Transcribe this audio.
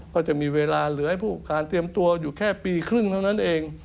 ก็จะมีเวลาเหลือให้ผู้การเตรียมตัวอยู่แค่ปีครึ่งเท่านั้นเอง